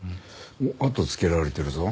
あとをつけられてるぞ。